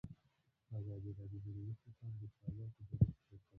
ازادي راډیو د ورزش لپاره د چارواکو دریځ خپور کړی.